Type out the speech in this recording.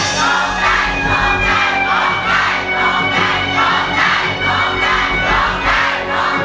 น้องแก่นน้องวิ่ง